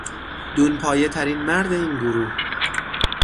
دونپایه ترین مرد این گروه